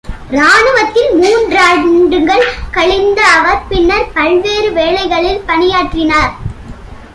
ராணுவத்தில் மூன்றாண்டுகள் கழித்த அவர், பின்னர் பல்வேறு வேலைகளில் பணியாற்றினார்.